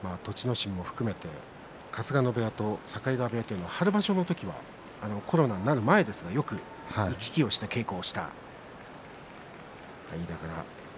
心も含めて春日野部屋と境川部屋は春場所の時コロナになる前ですが行き来をして稽古をしていたということです。